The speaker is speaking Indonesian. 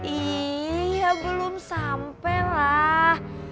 iiih ya belum sampe lah